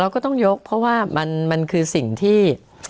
ก็ต้องยกเพราะว่ามันคือสิ่งที่